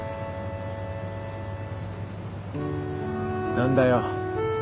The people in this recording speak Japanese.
何だよ